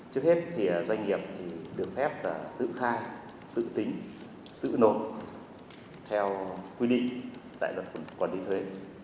trước hết thì doanh nghiệp thì được phép là tự khai tự tính tự nộp theo quy định tại luật quản lý thuế